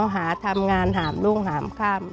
หาทำงานหามลุงหามข้าม